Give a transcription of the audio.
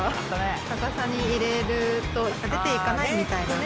逆さに入れると出ていかないみたいな。